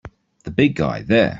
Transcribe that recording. The big guy there!